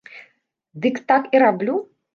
Дык так і раблю.